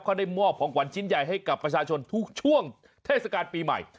เขาได้มอบของขวัญชิ้นใหญ่ให้กับประชาชนทุกช่วงเทศกาลปีใหม่